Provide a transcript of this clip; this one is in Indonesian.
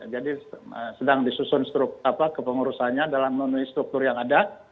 jadi sedang disusun struktur apa kepengurusannya dalam menunjui struktur yang ada